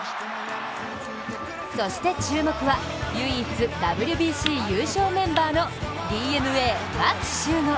そして注目は唯一、ＷＢＣ優勝メンバーのＤｅＮＡ、牧秀悟。